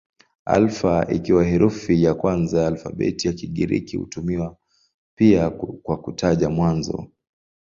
Alfa ikiwa herufi ya kwanza ya alfabeti ya Kigiriki hutumiwa pia kwa kutaja mwanzo.